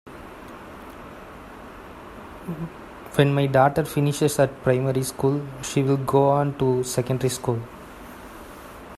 When my daughter finishes at primary school, she'll go on to secondary school